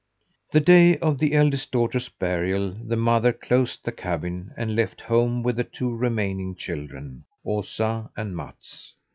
The day of the eldest daughter's burial the mother closed the cabin and left home with the two remaining children, Osa and Mats.